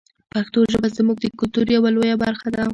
پښتو ژبه زموږ د کلتور یوه لویه برخه ده.